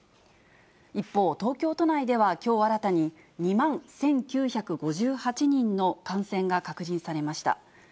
一方、東京都内ではきょう新たに、２万１９５８人の感染が確認されました。